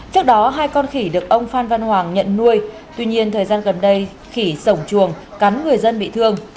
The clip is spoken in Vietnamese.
trước đó hai con khỉ được ông phan văn hoàng nhận nuôi tuy nhiên thời gian gần đây khỉ sổng chuồng cắn người dân bị thương